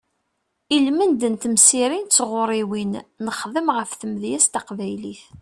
Ilmend n temsirin d tɣuriwin nexdem ɣef tmedyazt taqbaylit.